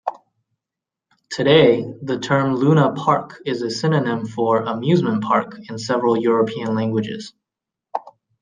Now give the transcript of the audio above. Today, the term "Lunapark" is a synonym for "amusement park" in several European languages.